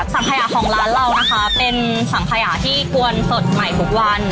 สังขยะของร้านเรานะคะเป็นสังขยะที่กวนสดใหม่ทุกวัน